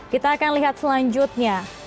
kita akan lihat selanjutnya